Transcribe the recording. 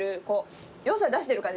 良さ出してる感じですね。